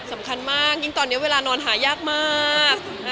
สำคัญมากยิ่งตอนนี้เวลานอนหายากมาก